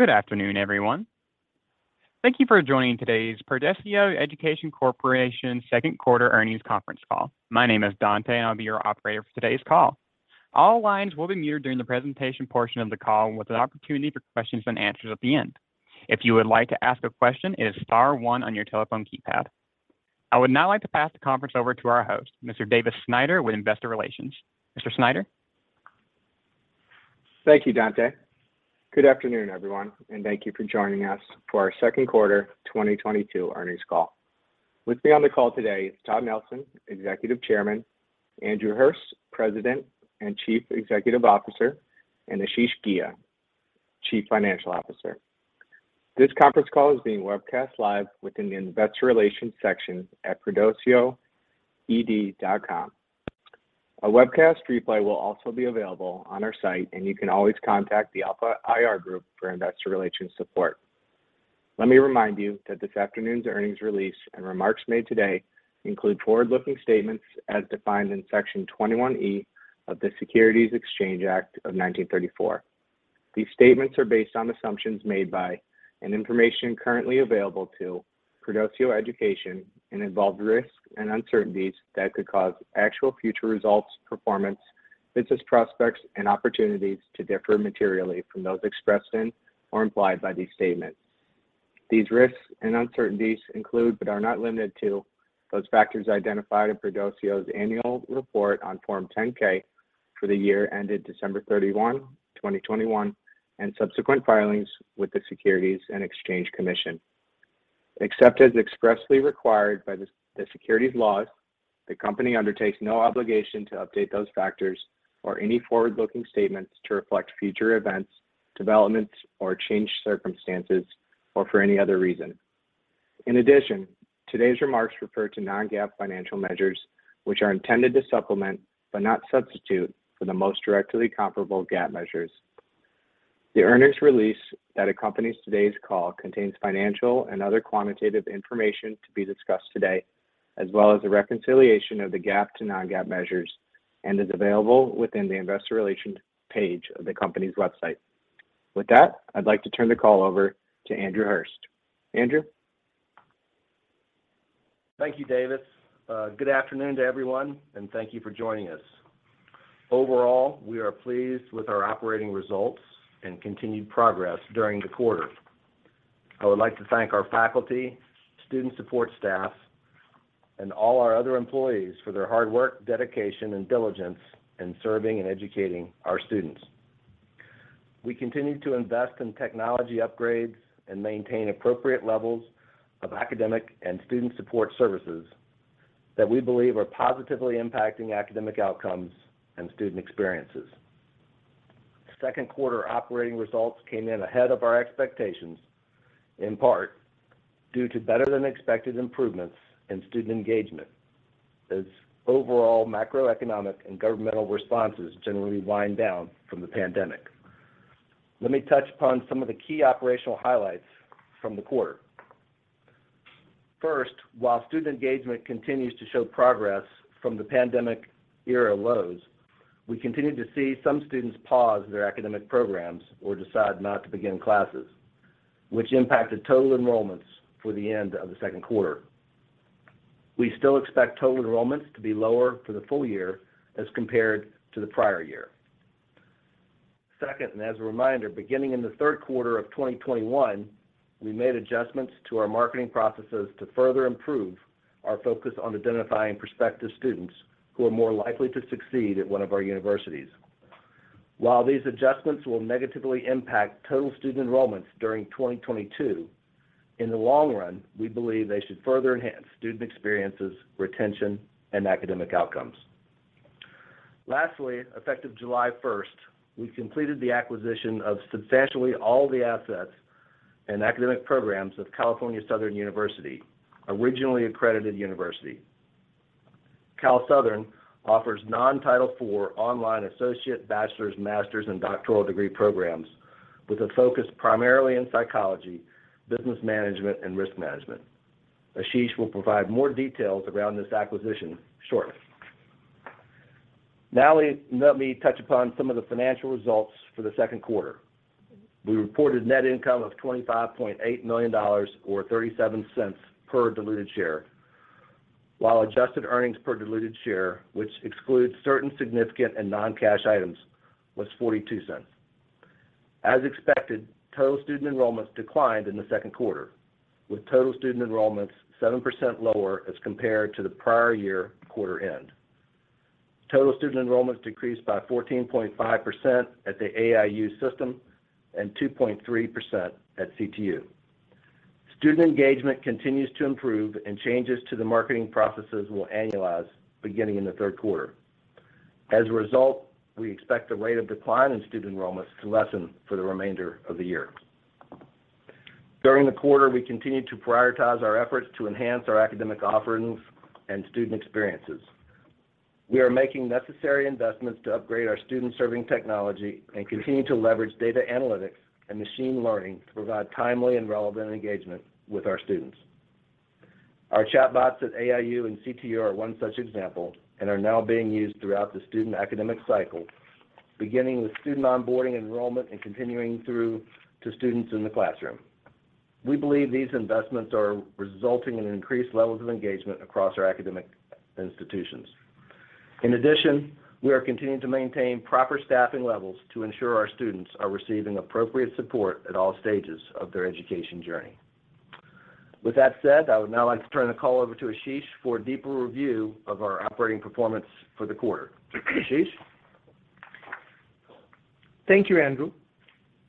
Good afternoon, everyone. Thank you for joining today's Perdoceo Education Corporation Second Quarter Earnings Conference Call. My name is Dante, and I'll be your operator for today's call. All lines will be muted during the presentation portion of the call with an opportunity for questions and answers at the end. If you would like to ask a question, it is star one on your telephone keypad. I would now like to pass the conference over to our host, Mr. Davis Snyder, with Investor Relations. Mr. Snyder? Thank you, Dante. Good afternoon, everyone, and thank you for joining us for our Second Quarter 2022 Earnings Call. With me on the call today is Todd Nelson, Executive Chairman, Andrew Hurst, President and Chief Executive Officer, and Ashish Ghia, Chief Financial Officer. This conference call is being webcast live within the Investor Relations section at perdoceoed.com. A webcast replay will also be available on our site, and you can always contact the Alpha IR Group for Investor Relations support. Let me remind you that this afternoon's earnings release and remarks made today include forward-looking statements as defined in Section 21E of the Securities Exchange Act of 1934. These statements are based on assumptions made by and information currently available to Perdoceo Education and involve risks and uncertainties that could cause actual future results, performance, business prospects, and opportunities to differ materially from those expressed in or implied by these statements. These risks and uncertainties include, but are not limited to, those factors identified in Perdoceo's annual report on Form 10-K for the year ended December 31, 2021, and subsequent filings with the Securities and Exchange Commission. Except as expressly required by the securities laws, the company undertakes no obligation to update those factors or any forward-looking statements to reflect future events, developments, or changed circumstances, or for any other reason. In addition, today's remarks refer to non-GAAP financial measures, which are intended to supplement, but not substitute, for the most directly comparable GAAP measures. The earnings release that accompanies today's call contains financial and other quantitative information to be discussed today, as well as a reconciliation of the GAAP to non-GAAP measures, and is available within the Investor Relations page of the company's website. With that, I'd like to turn the call over to Andrew H. Hurst. Andrew? Thank you, Davis. Good afternoon to everyone, and thank you for joining us. Overall, we are pleased with our operating results and continued progress during the quarter. I would like to thank our faculty, student support staff, and all our other employees for their hard work, dedication, and diligence in serving and educating our students. We continue to invest in technology upgrades and maintain appropriate levels of academic and student support services that we believe are positively impacting academic outcomes and student experiences. Second quarter operating results came in ahead of our expectations, in part due to better-than-expected improvements in student engagement as overall macroeconomic and governmental responses generally wind down from the pandemic. Let me touch upon some of the key operational highlights from the quarter. First, while student engagement continues to show progress from the pandemic era lows, we continue to see some students pause their academic programs or decide not to begin classes, which impacted total enrollments for the end of the second quarter. We still expect total enrollments to be lower for the full year as compared to the prior year. Second, and as a reminder, beginning in the third quarter of 2021, we made adjustments to our marketing processes to further improve our focus on identifying prospective students who are more likely to succeed at one of our universities. While these adjustments will negatively impact total student enrollments during 2022, in the long run, we believe they should further enhance student experiences, retention, and academic outcomes. Lastly, effective July 1, we completed the acquisition of substantially all the assets and academic programs of California Southern University, a regionally accredited university. Cal Southern offers non-Title IV online associate, bachelor's, master's, and doctoral degree programs with a focus primarily in psychology, business management, and risk management. Ashish will provide more details around this acquisition shortly. Now let me touch upon some of the financial results for the second quarter. We reported net income of $25.8 million or $0.37 per diluted share, while adjusted earnings per diluted share, which excludes certain significant and non-cash items, was $0.42. As expected, total student enrollments declined in the second quarter, with total student enrollments 7% lower as compared to the prior year quarter end. Total student enrollments decreased by 14.5% at the AIU System and 2.3% at CTU. Student engagement continues to improve and changes to the marketing processes will annualize beginning in the third quarter. As a result, we expect the rate of decline in student enrollments to lessen for the remainder of the year. During the quarter, we continued to prioritize our efforts to enhance our academic offerings and student experiences. We are making necessary investments to upgrade our student-serving technology and continue to leverage data analytics and machine learning to provide timely and relevant engagement with our students. Our chatbots at AIU and CTU are one such example and are now being used throughout the student academic cycle, beginning with student onboarding enrollment and continuing through to students in the classroom. We believe these investments are resulting in increased levels of engagement across our academic institutions. In addition, we are continuing to maintain proper staffing levels to ensure our students are receiving appropriate support at all stages of their education journey. With that said, I would now like to turn the call over to Ashish for a deeper review of our operating performance for the quarter. Ashish? Thank you, Andrew.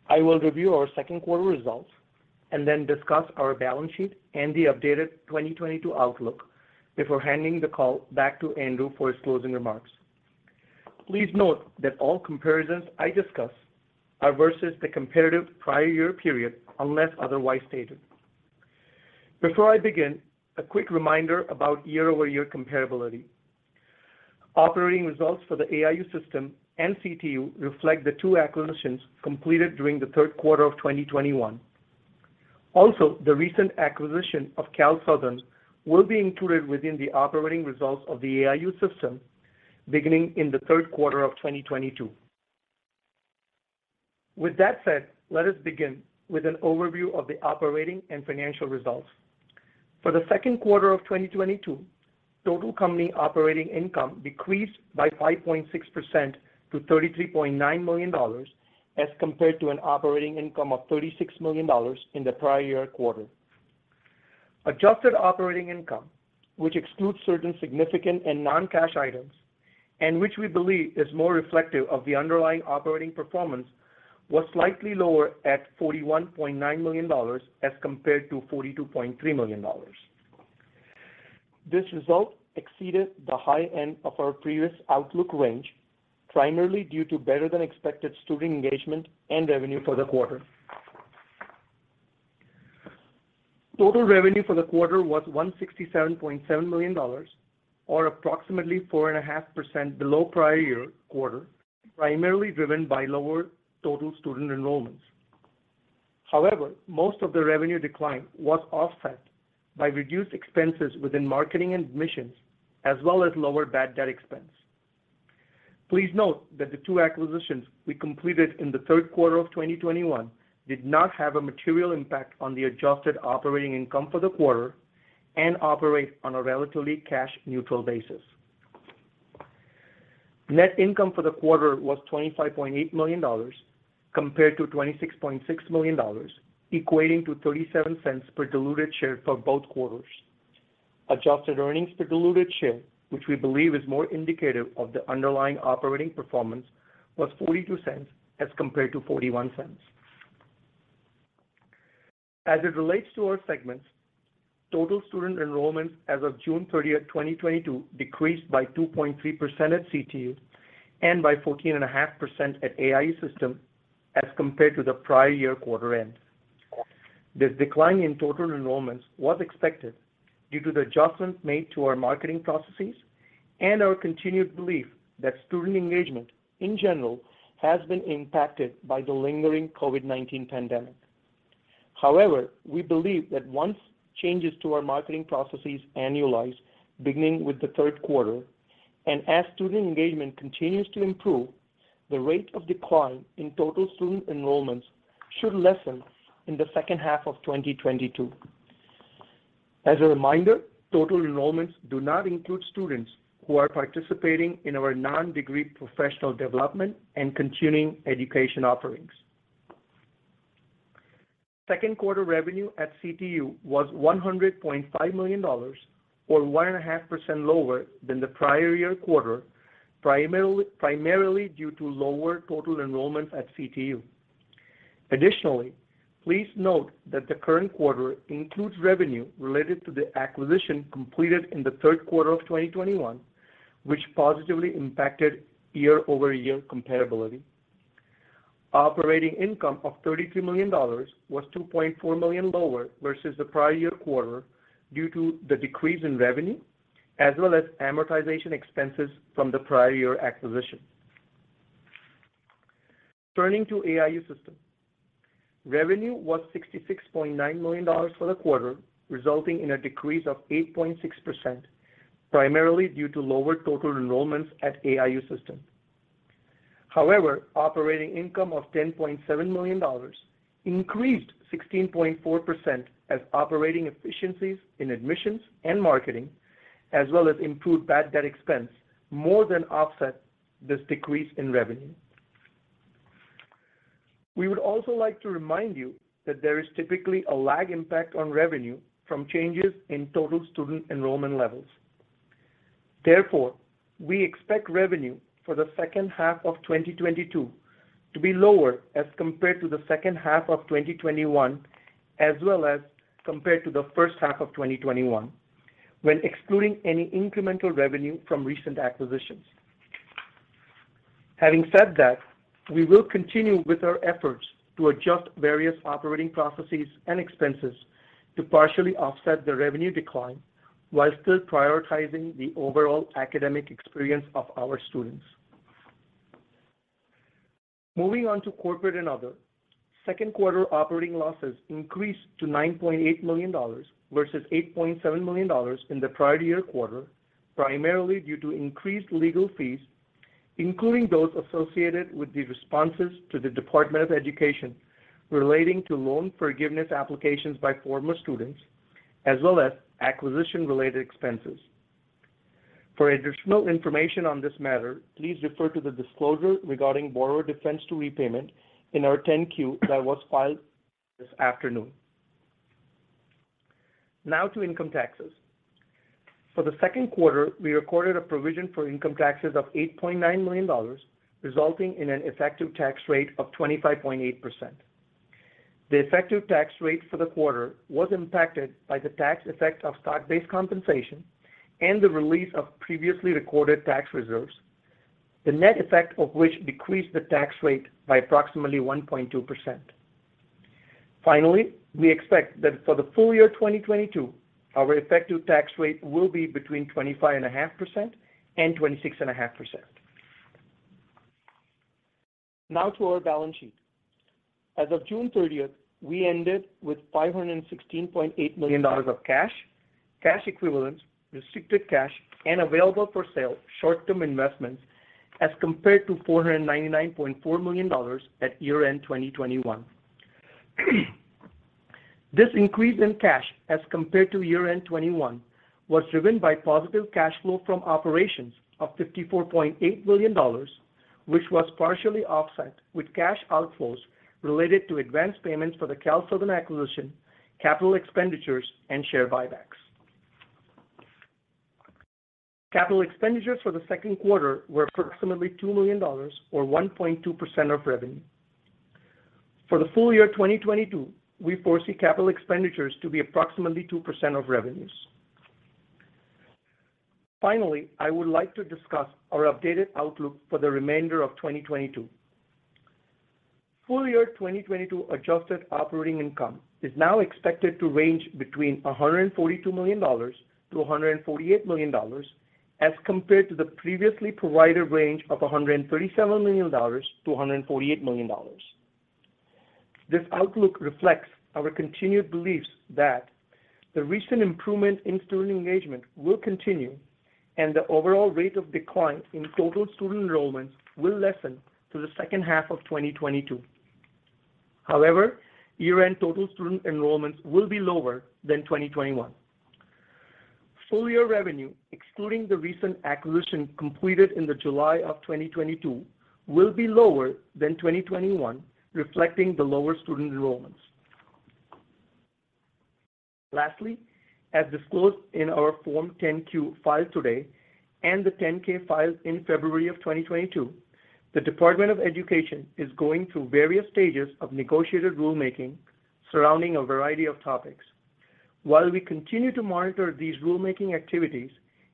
I will review our second quarter results and then discuss our balance sheet and the updated 2022 outlook before handing the call back to Andrew for his closing remarks. Please note that all comparisons I discuss are versus the comparative prior year period, unless otherwise stated. Before I begin, a quick reminder about year-over-year comparability. Operating results for the AIU System and CTU reflect the 2 acquisitions completed during the third quarter of 2021. Also, the recent acquisition of CalSouthern will be included within the operating results of the AIU System beginning in the third quarter of 2022. With that said, let us begin with an overview of the operating and financial results. For the second quarter of 2022, total company operating income decreased by 5.6% to $33.9 million, as compared to an operating income of $36 million in the prior year quarter. Adjusted operating income, which excludes certain significant and non-cash items and which we believe is more reflective of the underlying operating performance, was slightly lower at $41.9 million as compared to $42.3 million. This result exceeded the high end of our previous outlook range, primarily due to better than expected student engagement and revenue for the quarter. Total revenue for the quarter was $167.7 million, or approximately 4.5% below prior year quarter, primarily driven by lower total student enrollments. However, most of the revenue decline was offset by reduced expenses within marketing admissions, as well as lower bad debt expense. Please note that the two acquisitions we completed in the third quarter of 2021 did not have a material impact on the adjusted operating income for the quarter and operate on a relatively cash neutral basis. Net income for the quarter was $25.8 million compared to $26.6 million, equating to $0.37 per diluted share for both quarters. Adjusted earnings per diluted share, which we believe is more indicative of the underlying operating performance, was $0.42 as compared to $0.41. As it relates to our segments, total student enrollments as of June 30, 2022 decreased by 2.3% at CTU and by 14.5% at AIU System as compared to the prior year quarter end. This decline in total enrollments was expected due to the adjustments made to our marketing processes and our continued belief that student engagement in general has been impacted by the lingering COVID-19 pandemic. However, we believe that once changes to our marketing processes annualize beginning with the third quarter and as student engagement continues to improve, the rate of decline in total student enrollments should lessen in the second half of 2022. As a reminder, total enrollments do not include students who are participating in our non-degree professional development and continuing education offerings. Second quarter revenue at CTU was $100.5 million or 1.5% lower than the prior year quarter, primarily due to lower total enrollments at CTU. Additionally, please note that the current quarter includes revenue related to the acquisition completed in the third quarter of 2021, which positively impacted year-over-year comparability. Operating income of $33 million was $2.4 million lower versus the prior year quarter due to the decrease in revenue as well as amortization expenses from the prior year acquisition. Turning to AIU System. Revenue was $66.9 million for the quarter, resulting in a decrease of 8.6%, primarily due to lower total enrollments at AIU System. However, operating income of $10.7 million increased 16.4% as operating efficiencies in admissions and marketing, as well as improved bad debt expense, more than offset this decrease in revenue. We would also like to remind you that there is typically a lag impact on revenue from changes in total student enrollment levels. Therefore, we expect revenue for the second half of 2022 to be lower as compared to the second half of 2021, as well as compared to the first half of 2021, when excluding any incremental revenue from recent acquisitions. Having said that, we will continue with our efforts to adjust various operating processes and expenses to partially offset the revenue decline while still prioritizing the overall academic experience of our students. Moving on to corporate and other. Second quarter operating losses increased to $9.8 million versus $8.7 million in the prior year quarter, primarily due to increased legal fees, including those associated with the responses to the Department of Education relating to loan forgiveness applications by former students, as well as acquisition-related expenses. For additional information on this matter, please refer to the disclosure regarding Borrower Defense to Repayment in our 10-Q that was filed this afternoon. Now to income taxes. For the second quarter, we recorded a provision for income taxes of $8.9 million, resulting in an effective tax rate of 25.8%. The effective tax rate for the quarter was impacted by the tax effect of stock-based compensation and the release of previously recorded tax reserves, the net effect of which decreased the tax rate by approximately 1.2% Finally, we expect that for the full year 2022, our effective tax rate will be between 25.5% and 26.5%. Now to our balance sheet. As of June 30, we ended with $516.8 million of cash equivalents, restricted cash, and available for sale short-term investments as compared to $499.4 million at year-end 2021. This increase in cash as compared to year-end 2021 was driven by positive cash flow from operations of $54.8 million, which was partially offset with cash outflows related to advanced payments for the California Southern acquisition, capital expenditures, and share buybacks. Capital expenditures for the second quarter were approximately $2 million or 1.2% of revenue. For the full year 2022, we foresee capital expenditures to be approximately 2% of revenues. Finally, I would like to discuss our updated outlook for the remainder of 2022. Full year 2022 adjusted operating income is now expected to range between $142 million-$148 million as compared to the previously provided range of $137 million-$148 million. This outlook reflects our continued beliefs that the recent improvement in student engagement will continue and the overall rate of decline in total student enrollments will lessen to the second half of 2022. However, year-end total student enrollments will be lower than 2021. Full year revenue, excluding the recent acquisition completed in the July of 2022, will be lower than 2021, reflecting the lower student enrollments. Lastly, as disclosed in our Form 10-Q filed today and the 10-K filed in February 2022, the Department of Education is going through various stages of negotiated rulemaking surrounding a variety of topics. While we continue to monitor these rulemaking activities,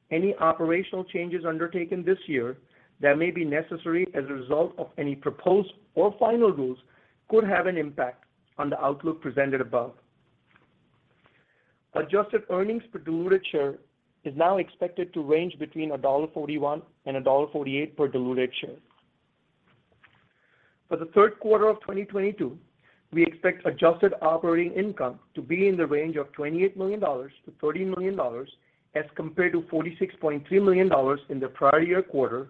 any operational changes undertaken this year that may be necessary as a result of any proposed or final rules could have an impact on the outlook presented above. Adjusted earnings per diluted share is now expected to range between $1.41 and $1.48 per diluted share. For the third quarter of 2022, we expect adjusted operating income to be in the range of $28 million-$30 million as compared to $46.3 million in the prior year quarter,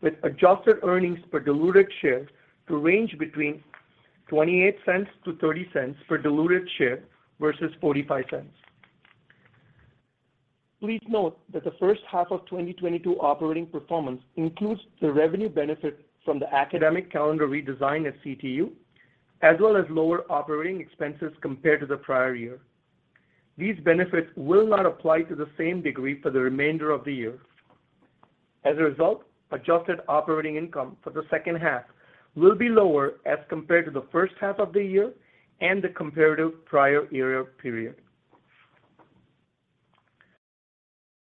with adjusted earnings per diluted share to range between $0.28 to $0.30 per diluted share versus $0.45. Please note that the first half of 2022 operating performance includes the revenue benefit from the academic calendar redesign at CTU, as well as lower operating expenses compared to the prior year. These benefits will not apply to the same degree for the remainder of the year. As a result, adjusted operating income for the second half will be lower as compared to the first half of the year and the comparative prior year period.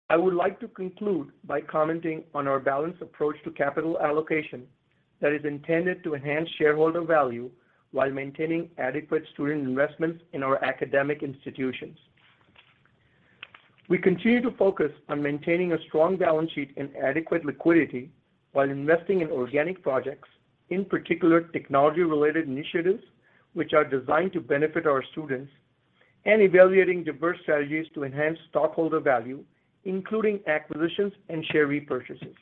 I would like to conclude by commenting on our balanced approach to capital allocation that is intended to enhance shareholder value while maintaining adequate student investments in our academic institutions. We continue to focus on maintaining a strong balance sheet and adequate liquidity while investing in organic projects, in particular technology related initiatives which are designed to benefit our students and evaluating diverse strategies to enhance stockholder value, including acquisitions and share repurchases.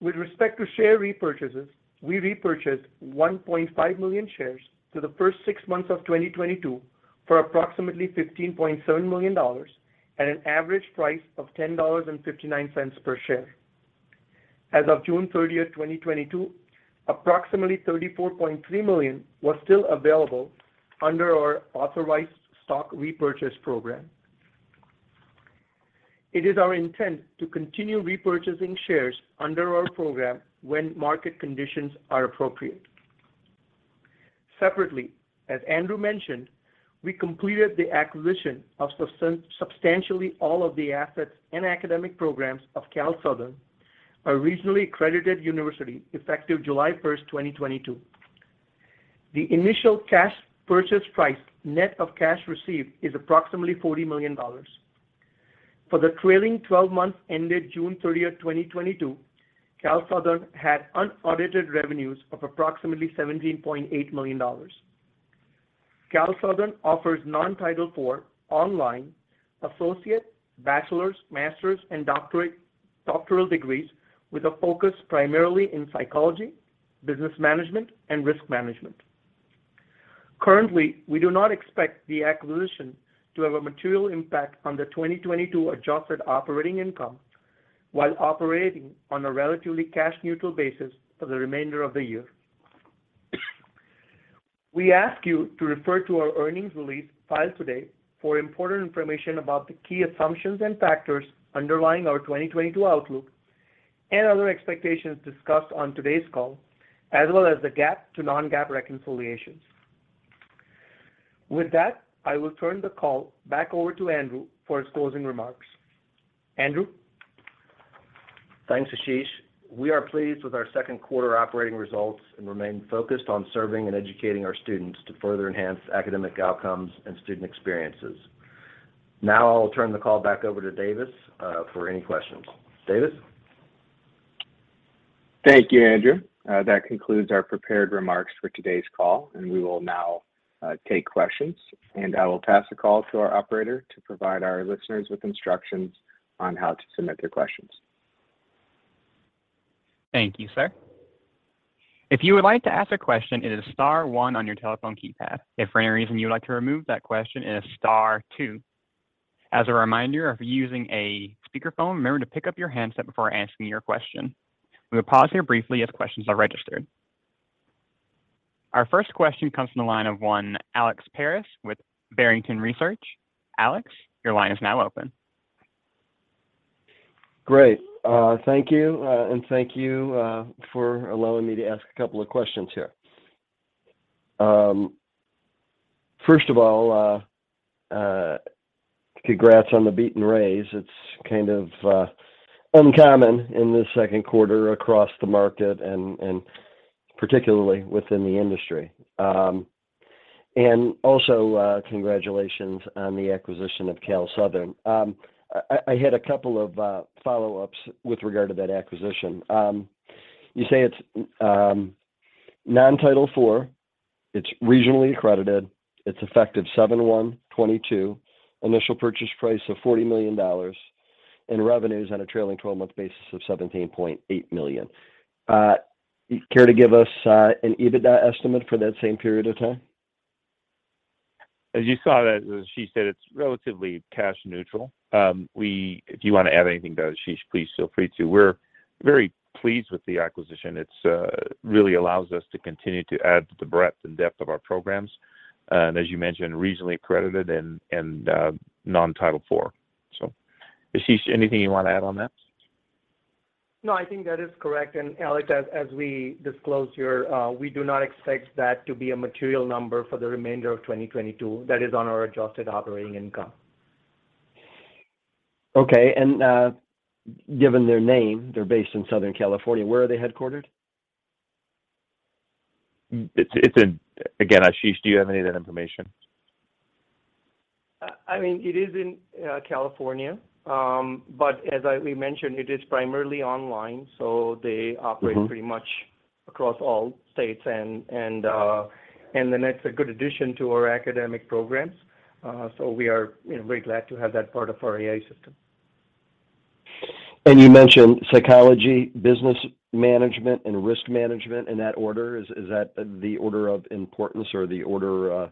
With respect to share repurchases, we repurchased 1.5 million shares through the first six months of 2022 for approximately $15.7 million at an average price of $10.59 per share. As of June 30, 2022, approximately $34.3 million was still available under our authorized stock repurchase program. It is our intent to continue repurchasing shares under our program when market conditions are appropriate. Separately, as Andrew mentioned, we completed the acquisition of substantially all of the assets and academic programs of California Southern University, a regionally accredited university, effective July 1, 2022. The initial cash purchase price net of cash received is approximately $40 million. For the trailing twelve months ended June 30, 2022, California Southern University had unaudited revenues of approximately $17.8 million. California Southern University offers non-Title IV online associate, bachelor's, master's, and doctoral degrees with a focus primarily in psychology, business management, and risk management. Currently, we do not expect the acquisition to have a material impact on the 2022 adjusted operating income while operating on a relatively cash neutral basis for the remainder of the year. We ask you to refer to our earnings release filed today for important information about the key assumptions and factors underlying our 2022 outlook and other expectations discussed on today's call, as well as the GAAP to non-GAAP reconciliations. With that, I will turn the call back over to Andrew for his closing remarks. Andrew? Thanks, Ashish. We are pleased with our second quarter operating results and remain focused on serving and educating our students to further enhance academic outcomes and student experiences. Now I'll turn the call back over to Davis for any questions. Davis? Thank you, Andrew. That concludes our prepared remarks for today's call, and we will now take questions, and I will pass the call to our operator to provide our listeners with instructions on how to submit their questions. Thank you, sir. If you would like to ask a question, it is star one on your telephone keypad. If for any reason you would like to remove that question, it is star two. As a reminder, if you're using a speakerphone, remember to pick up your handset before asking your question. We will pause here briefly as questions are registered. Our first question comes from the line of Alexander Paris with Barrington Research. Alex, your line is now open. Great. Thank you. Thank you for allowing me to ask a couple of questions here. First of all, congrats on the beat and raise. It's kind of uncommon in the second quarter across the market and particularly within the industry. Also, congratulations on the acquisition of CalSouthern. I had a couple of follow-ups with regard to that acquisition. You say it's non-Title IV, it's regionally accredited, it's effective July 1, 2022, initial purchase price of $40 million, and revenues on a trailing twelve-month basis of $17.8 million. You care to give us an EBITDA estimate for that same period of time? As you saw, as Ashish said, it's relatively cash neutral. If you wanna add anything to that, Ashish, please feel free to. We're very pleased with the acquisition. It's really allows us to continue to add to the breadth and depth of our programs, and as you mentioned, regionally accredited and non-Title IV. Ashish, anything you wanna add on that? No, I think that is correct. Alex, as we disclosed here, we do not expect that to be a material number for the remainder of 2022. That is on our adjusted operating income. Okay. Given their name, they're based in Southern California. Where are they headquartered? Again, Ashish, do you have any of that information? I mean, it is in California. As we mentioned, it is primarily online, so they Mm-hmm. operate pretty much across all states and then it's a good addition to our academic programs. We are, you know, very glad to have that part of our AIU System. You mentioned psychology, business management, and risk management in that order. Is that the order of importance or the order,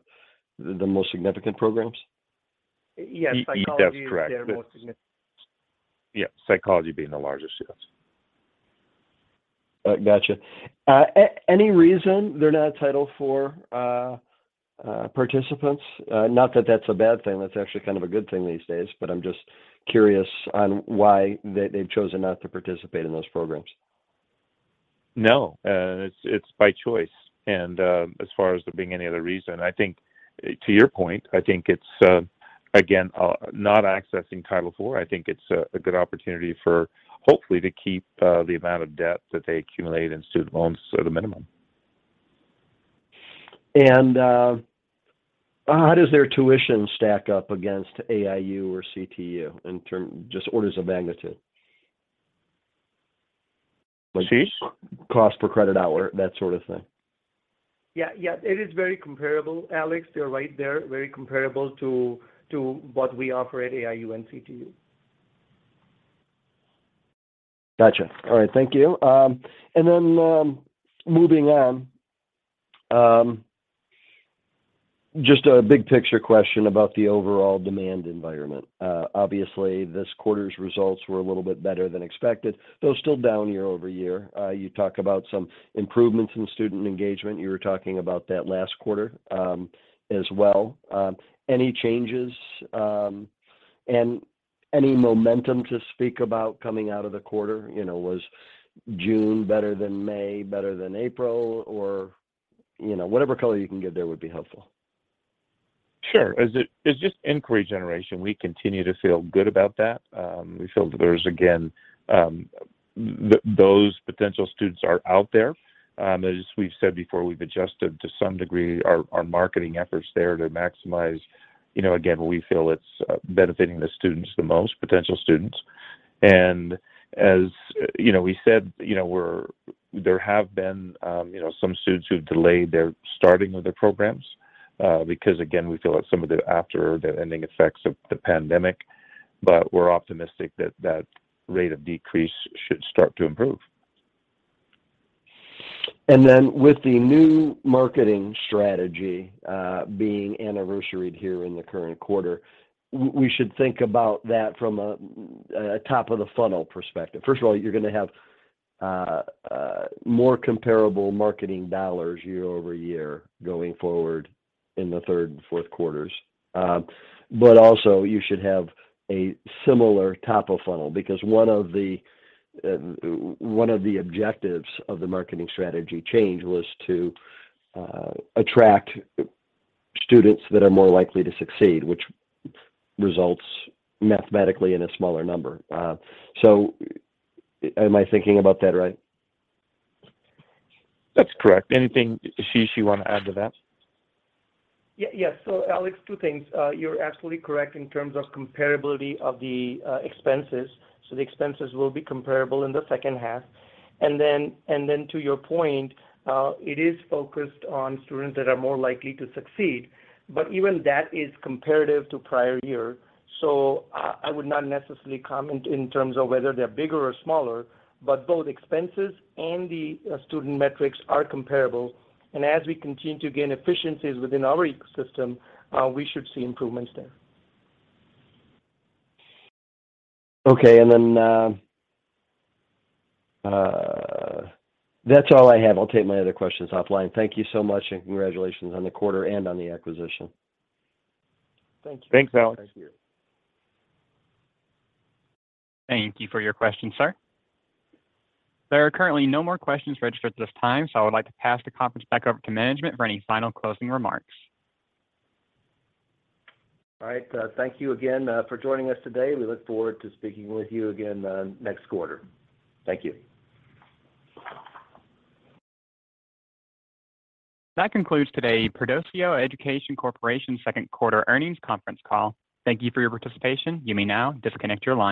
the most significant programs? Yes. That's correct. Psychology is their most significant. Yeah, psychology being the largest, yes. Gotcha. Any reason they're not Title IV participants? Not that that's a bad thing, that's actually kind of a good thing these days, but I'm just curious on why they've chosen not to participate in those programs. No. It's by choice. As far as there being any other reason, I think, to your point, I think it's again not accessing Title IV. I think it's a good opportunity, hopefully, to keep the amount of debt that they accumulate in student loans to the minimum. How does their tuition stack up against AIU or CTU in terms of just orders of magnitude? Ashish? Like cost per credit hour, that sort of thing. Yeah. It is very comparable, Alex. You're right there. Very comparable to what we offer at AIU and CTU. Gotcha. All right, thank you. Moving on, just a big picture question about the overall demand environment. Obviously this quarter's results were a little bit better than expected, though still down year over year. You talk about some improvements in student engagement. You were talking about that last quarter, as well. Any changes, and any momentum to speak about coming out of the quarter? You know, was June better than May, better than April? You know, whatever color you can give there would be helpful. Sure. As just inquiry generation, we continue to feel good about that. We feel that there's again, those potential students are out there. As we've said before, we've adjusted to some degree our marketing efforts there to maximize, you know, again, we feel it's benefiting the students the most, potential students. As you know, we said, you know, there have been, you know, some students who've delayed their starting of their programs, because again, we feel like some of the aftereffects of the pandemic, but we're optimistic that that rate of decrease should start to improve. With the new marketing strategy, being anniversaried here in the current quarter, we should think about that from a top of the funnel perspective. First of all, you're gonna have a more comparable marketing dollars year-over-year going forward in the third and fourth quarters. But also you should have a similar top of funnel because one of the objectives of the marketing strategy change was to attract students that are more likely to succeed, which results mathematically in a smaller number. Am I thinking about that right? That's correct. Anything, Ashish, you wanna add to that? Yes. Alex, two things. You're absolutely correct in terms of comparability of the expenses. The expenses will be comparable in the second half. To your point, it is focused on students that are more likely to succeed, but even that is comparative to prior year. I would not necessarily comment in terms of whether they're bigger or smaller, but both expenses and the student metrics are comparable. As we continue to gain efficiencies within our ecosystem, we should see improvements there. That's all I have. I'll take my other questions offline. Thank you so much, and congratulations on the quarter and on the acquisition. Thank you. Thanks, Alex. Thank you. Thank you for your question, sir. There are currently no more questions registered at this time, so I would like to pass the conference back over to management for any final closing remarks. All right. Thank you again for joining us today. We look forward to speaking with you again next quarter. Thank you. That concludes today's Perdoceo Education Corporation second quarter earnings conference call. Thank you for your participation. You may now disconnect your line.